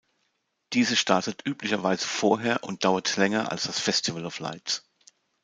Diese startet üblicherweise vorher und dauert länger als das Festival of Lights.